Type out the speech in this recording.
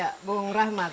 ya bung rahmat